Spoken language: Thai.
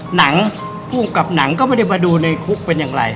หนังภูมิกับหนังก็ไม่ได้มาดูในคุกเป็นอย่างไร